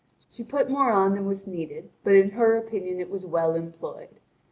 She put more on than was needed, but in her opinion it was well employed.